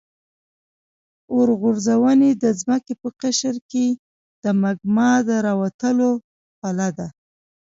اورغورځونې د ځمکې په قشر کې د مګما د راوتلو خوله ده.